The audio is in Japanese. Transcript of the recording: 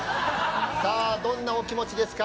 さあどんなお気持ちですか？